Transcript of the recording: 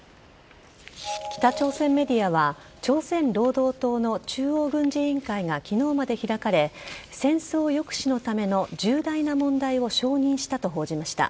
北朝鮮メディアは朝鮮労働党の中央軍事委員会が昨日まで開かれ戦争抑止のための重大な問題を承認したと報じました。